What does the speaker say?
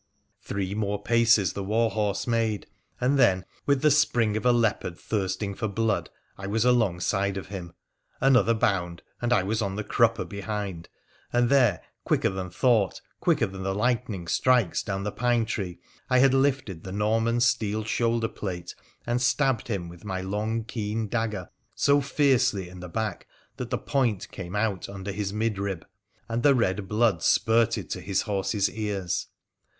Three more paces the war horse made, and then, with the spring of a leopard thirsting for blood, I was alongside of him, another bound and I was on the crupper behind, and there, quicker than thought, quicker than the lightning strikes down the pine tree, I had lifted the Norman's steel shoulder plate, and stabbed him with my long, keen dagger so fiercely in the back that the point came out under his mid rib, and the red blood spurted to his horse's ears.